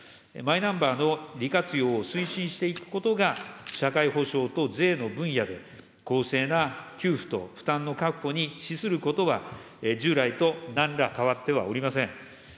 マイナンバーの利活用を推進していくことが、社会保障と税の分野で、公正な給付と負担の確保に資することは、従来となんら変わってはおりません。